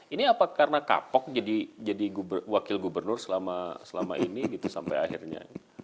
ini apa karena kapok jadi wakil gubernur selama ini gitu sampai akhirnya